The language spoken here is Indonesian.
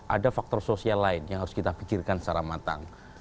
ada faktor sosial lain yang harus kita pikirkan secara matang